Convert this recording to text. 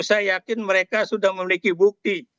saya yakin mereka sudah memiliki bukti